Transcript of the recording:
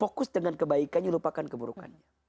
fokus dengan kebaikannya lupakan keburukannya